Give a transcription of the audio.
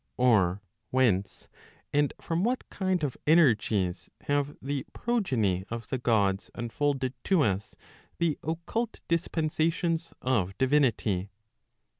Or whence, and from what kind of energies have the progeny of the Gods unfolded to us the occult dispensations of divinity?